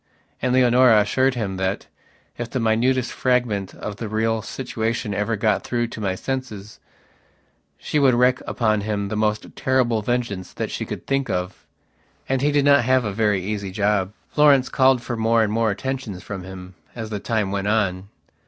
And Leonora assured him that, if the minutest fragment of the real situation ever got through to my senses, she would wreak upon him the most terrible vengeance that she could think of. And he did not have a very easy job. Florence called for more and more attentions from him as the time went on.